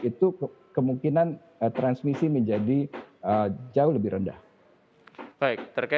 itu kemungkinan transmisi menjadi jauh lebih rendah